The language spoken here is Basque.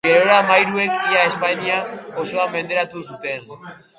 Gerora mairuek ia Espainia osoa menderatu zuten.